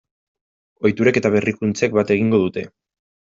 Ohiturek eta berrikuntzek bat egingo dute.